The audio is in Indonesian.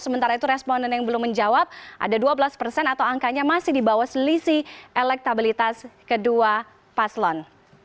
sementara itu responden yang belum menjawab ada dua belas persen atau angkanya masih di bawah selisih elektabilitas kedua paslon